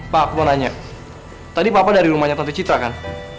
pak aku mau nanya tadi papa dari rumahnya tante citra kan